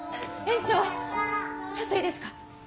園長ちょっといいですか？